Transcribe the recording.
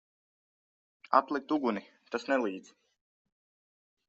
Atlikt uguni! Tas nelīdz.